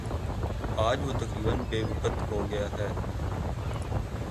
آج وہ تقریبا بے وقعت ہو گیا ہے